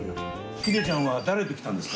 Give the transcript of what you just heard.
英ちゃんは誰と来たんですか？